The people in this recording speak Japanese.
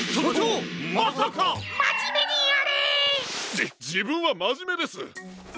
じじぶんはまじめです！